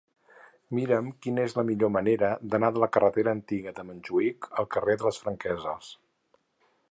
Mira'm quina és la millor manera d'anar de la carretera Antiga de Montjuïc al carrer de les Franqueses.